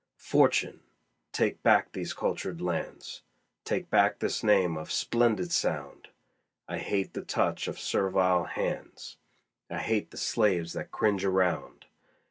Fortune! take back these cultured lands, Take back this name of splendid sound! I hate the touch of servile hands, I hate the slaves that cringe around.